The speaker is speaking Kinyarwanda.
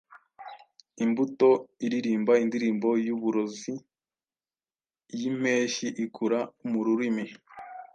Imbuto iririmba Indirimbo Yuburozi Yimpeshyi ikura mururimi